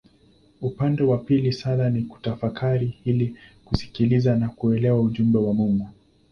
Upande wa pili sala ni kutafakari ili kusikiliza na kuelewa ujumbe wa Mungu.